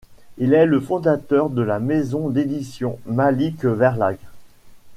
Il est le fondateur de la maison d'édition Malik-Verlag.